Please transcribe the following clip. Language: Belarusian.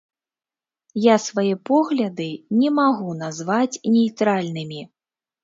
Я свае погляды не магу назваць нейтральнымі.